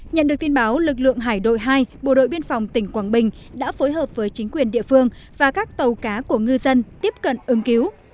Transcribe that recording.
nhận được tin báo lực lượng hải đội hai bộ đội biên phòng tỉnh quảng bình đã phối hợp với chính quyền địa phương và các tàu cá của ngư dân tiếp cận ứng cứu